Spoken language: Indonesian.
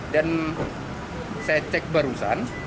dan saya cek barusan